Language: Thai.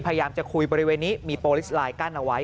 พยายามจะคุยบริเวณนี้มีโปรลิสไลน์กั้นเอาไว้